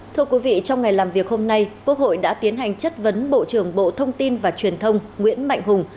thưa quý vị trong ngày làm việc hôm nay quốc hội đã tiến hành chất vấn bộ trưởng bộ thông tin và truyền thông nguyễn mạnh hùng